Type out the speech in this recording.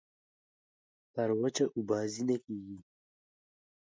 پر وچه اوبازي نه کېږي.